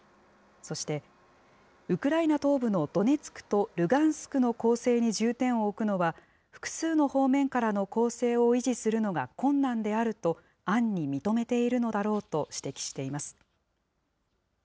そして、ウクライナ東部のドネツクとルガンスクの攻勢に重点を置くのは、複数の方面からの攻勢を維持するのが困難であると暗に認めているのだろうと指摘しています。